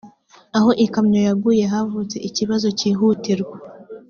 aho ikamyo yaguye havutse ikibazo cyihutirwa